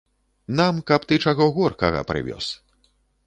Нам каб ты чаго горкага прывёз.